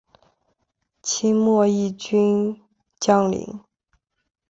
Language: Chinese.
清末毅军将领。